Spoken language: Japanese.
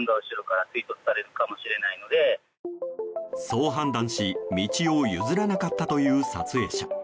そう判断し、道を譲らなかったという撮影者。